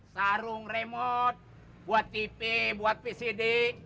sarung remote buat tipe buat pcd